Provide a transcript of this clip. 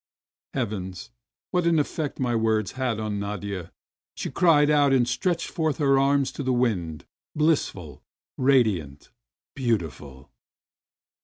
Heavens, what an effect my words had on Nadia! She cried out and stretched forth her arms to the wind, bhssful, radiant, beautiful.